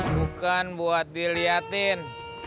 bukan buat diliatin